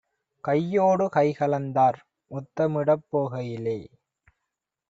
கையோடு கைகலந்தார்; முத்தமிடப் போகையிலே